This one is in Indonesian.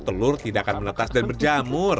telur tidak akan menetas dan berjamur